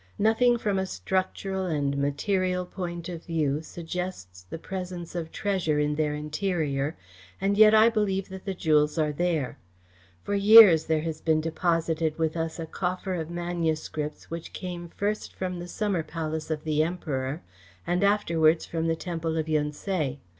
Nothing from a structural and material point of view suggests the presence of treasure in their interior, and yet I believe that the jewels are there. For years there has been deposited with us a coffer of manuscripts which came first from the Summer Palace of the Emperor and afterwards from the Temple of Yun Tse.